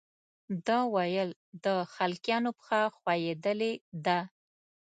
ده ویل د خلقیانو پښه ښویېدلې ده.